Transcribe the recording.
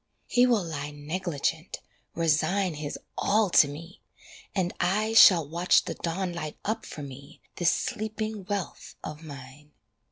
He will lie negligent, resign His all to me, and I Shall watch the dawn light up for me This sleeping wealth of mine.